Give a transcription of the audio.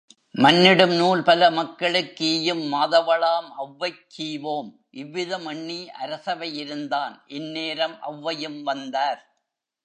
மன்னிடும் நூல்பல மக்களுக்கீயும் மாதவளாம் ஒளவைக் கீவோம் இவ்விதம் எண்ணி அரசவையிருந்தான் இந்நேரம் ஒளவையும் வந்தார்.